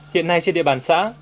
hiện nay trên địa bàn xã